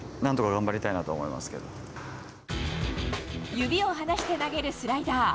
指を離して投げるスライダー。